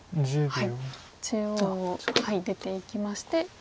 中央を出ていきまして。